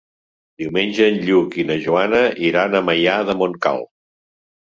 Diumenge en Lluc i na Joana iran a Maià de Montcal.